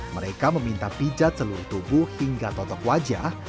mereka meminta pijat seluruh tubuh hingga totok wajah